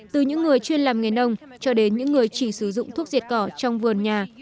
từ những người chuyên làm nghề nông cho đến những người chỉ sử dụng thuốc diệt cỏ trong vườn nhà